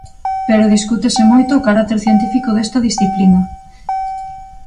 Pero discútese moito o carácter científico desta disciplina.